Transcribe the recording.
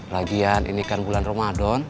lagian ini kan bulan ramadan